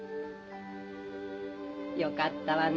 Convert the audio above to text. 「よかったわね。